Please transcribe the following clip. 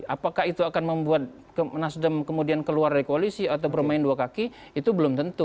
apakah itu akan membuat nasdem kemudian keluar dari koalisi atau bermain dua kaki itu belum tentu